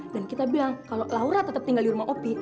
dan kita bilang kalo laura tetep tinggal di rumah opi